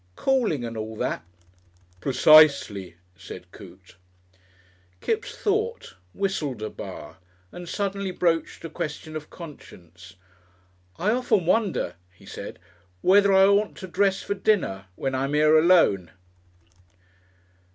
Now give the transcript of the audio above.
"Calling and all that?" "Precisely," said Coote. Kipps thought, whistled a bar, and suddenly broached a question of conscience. "I often wonder," he said, "whether I oughtn't to dress for dinner when I'm alone 'ere."